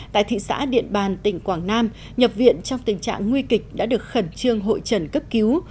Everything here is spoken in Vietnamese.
tại thị xã điện bàn tỉnh quảng nam nhập viện trong tình trạng nguy kịch đã được khẩn trương hội trần cấp cứu